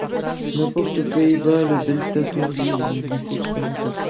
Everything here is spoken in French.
Il remporte aux Pays-Bas le Delta Tour Zeeland, une course par étapes.